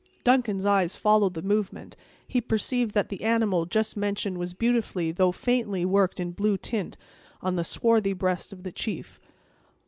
Duncan's eyes followed the movement, and he perceived that the animal just mentioned was beautifully, though faintly, worked in blue tint, on the swarthy breast of the chief.